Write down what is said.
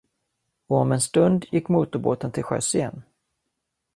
Och om en stund gick motorbåten till sjöss igen.